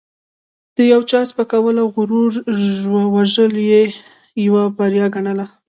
د یو چا سپکول او غرور وژل یې یوه بریا ګڼله.